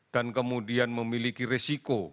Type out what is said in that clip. dan kemudian memiliki risiko